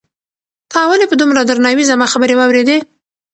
تا ولې په دومره درناوي زما خبرې واورېدې؟